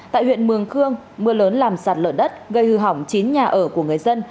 tại huyện mường khương mưa lớn làm sạt lở đất gây hư hỏng chín nhà ở của người dân